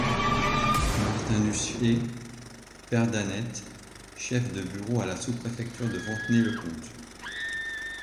Martin Duché, père d’Annette, chef de bureau à la Sous-Préfecture de Fontenay-le-Comte.